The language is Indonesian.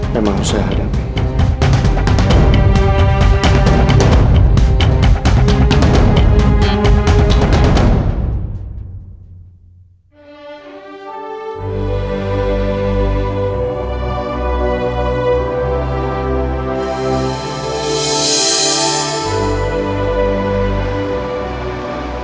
memang harus saya hadapi